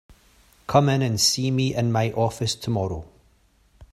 Come in and see me in my office tomorrow.